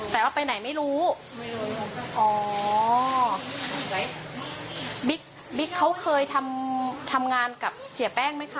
แต่ว่าไปไหนไม่รู้ไม่รู้อ๋อบิ๊กบิ๊กเขาเคยทำทำงานกับเสียแป้งไหมคะ